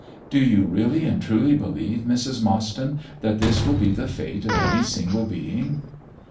"Do you really and truly believe, Mrs. Mostyn, that this will be the fate of any single being?"